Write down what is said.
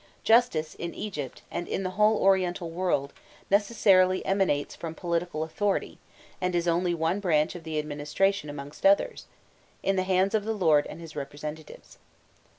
Justice, in Egypt and in the whole Oriental world, necessarily emanates from political authority, and is only one branch of the administration amongst others, in the hands of the lord and his representatives.